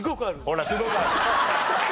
ほら「すごくある」。